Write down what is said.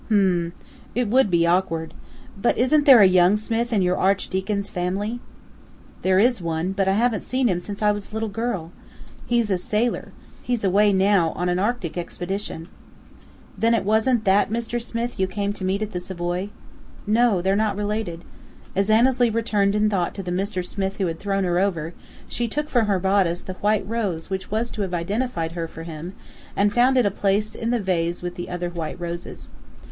"H'm! It would be awkward. But isn't there a young Smith in your Archdeacon's family?" "There is one, but I haven't seen him since I was a little girl. He's a sailor. He's away now on an Arctic expedition." "Then it wasn't that Mr. Smith you came to meet at the Savoy?" "No. They're not related." As Annesley returned in thought to the Mr. Smith who had thrown her over, she took from her bodice the white rose which was to have identified her for him, and found it a place in the vase with the other white roses.